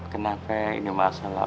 kenapa ini masalah